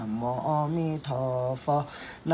สวัสดีครับทุกคน